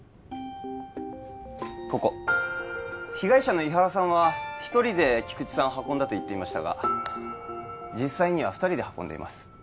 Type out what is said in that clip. ここ被害者の井原さんは一人で菊池さんを運んだと言っていましたが実際には二人で運んでいます